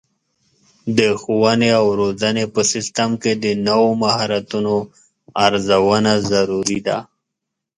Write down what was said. د ښوونې او روزنې په سیستم کې د نوو مهارتونو ارزونه ضروري ده.